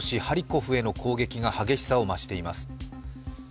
ハリコフへの攻撃が激しさを増しています。